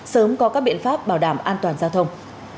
sớm có các biện pháp bảo đảm an toàn giao thông